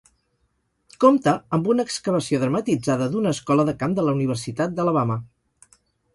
Compta amb una excavació dramatitzada d'una Escola de Camp de la Universitat d'Alabama.